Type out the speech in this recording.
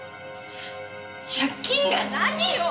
借金が何よ！